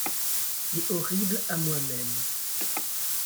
et horrible à moi-même !